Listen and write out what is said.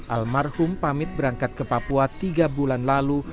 almarhum pamit berangkat ke papua tiga bulan lalu